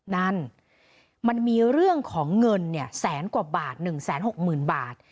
นั้นมันมีเรื่องของเงินเนี่ยแสนกว่าบาท๑แสน๖หมื่นบาท